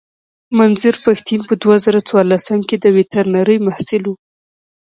منظور پښتين په دوه زره څوارلسم کې د ويترنرۍ محصل و.